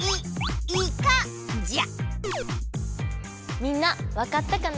みんなわかったかな？